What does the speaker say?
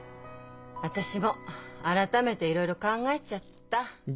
私も改めていろいろ考えちゃった。